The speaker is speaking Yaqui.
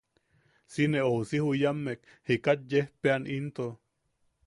Si ne ousi juyammek jikat yejpeʼean into.